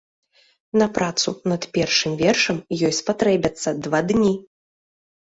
На працу над першым вершам ёй спатрэбяцца два дні.